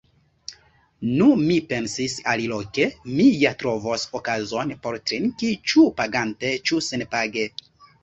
Nu mi pensis, aliloke mi ja trovos okazon por trinki, ĉu pagante ĉu senpage.